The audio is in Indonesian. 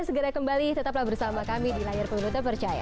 segera kembali tetaplah bersama kami di layar pemerintah percaya